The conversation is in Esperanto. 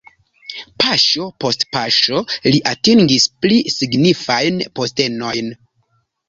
Paŝo post paŝo li atingis pli signifajn postenojn.